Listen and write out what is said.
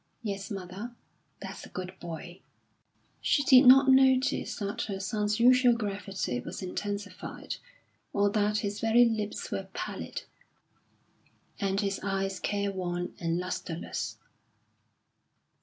"Yes, mother." "That's a good boy." She did not notice that her son's usual gravity was intensified, or that his very lips were pallid, and his eyes careworn and lustreless.